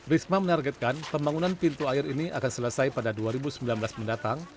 risma menargetkan pembangunan pintu air ini akan selesai pada dua ribu sembilan belas mendatang